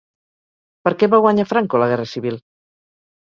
Per què va guanyar Franco la Guerra Civil?